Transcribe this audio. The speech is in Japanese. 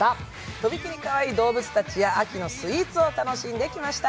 とびきりかわいい動物たちや、秋のスイーツを楽しんできました。